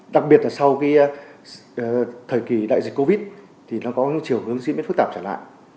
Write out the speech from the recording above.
đặc biệt là sau thời kỳ đại dịch covid thì nó có chiều hướng diễn biến phức tạp trở lại